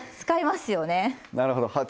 使いますね。